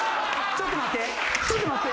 ちょっと待って。